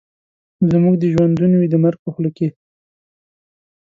زموږ دي ژوندون وي د مرګ په خوله کي